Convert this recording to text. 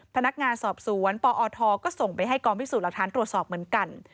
พนักงานสอบสวนปอทก็ส่งไปให้กองพิสูจน์หลักฐานตรวจสอบเหมือนกัน